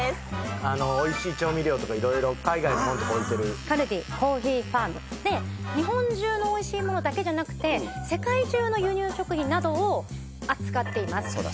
あのおいしい調味料とか色々海外のもんとか置いてるカルディコーヒーファームで日本中のおいしいものだけじゃなくて世界中の輸入食品などを扱っていますそうだ